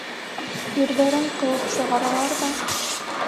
Ирҙәрен ҡыуып сығаралар ҙа...